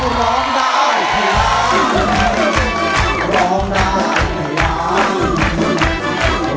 ร้องได้ให้ร้าง